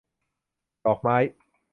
ดอกไม้